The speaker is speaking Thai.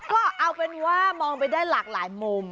ก็เอาเป็นว่ามองไปได้หลากหลายมุม